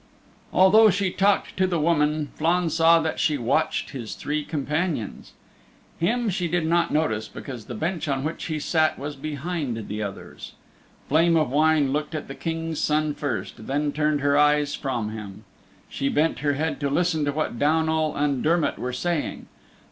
Although she talked to the woman, Flann saw that she watched his three companions. Him she did not notice, because the bench on which he sat was behind the others. Flame of Wine looked at the King's Son first, and then turned her eyes from him. She bent her head to listen to what Downal and Dermott were saying.